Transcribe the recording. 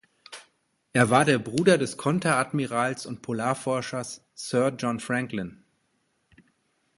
Er war der Bruder des Konteradmirals und Polarforschers Sir John Franklin.